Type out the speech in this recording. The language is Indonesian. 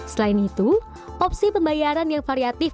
selain itu opsi pembayaran yang variatif